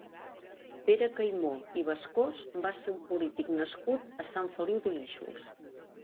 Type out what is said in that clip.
Pere Caimó i Bascós va ser un polític nascut a Sant Feliu de Guíxols.